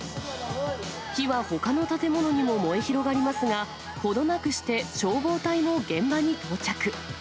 火はほかの建物にも燃え広がりますが、程なくして消防隊も現場に到着。